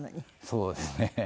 そうですね。